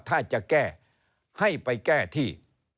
ถ้าจะแก้ให้ไปแก้ที่